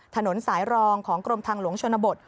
ถนนสายรองของกรมทางหลวงชนบท